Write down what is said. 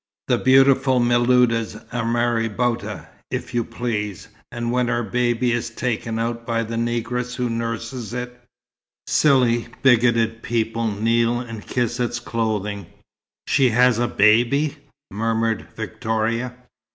The beautiful Miluda's a marabouta, if you please, and when her baby is taken out by the negress who nurses it, silly, bigoted people kneel and kiss its clothing." "She has a baby!" murmured Victoria.